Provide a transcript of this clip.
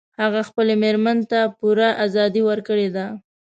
هغه خپلې میرمن ته پوره ازادي ورکړي ده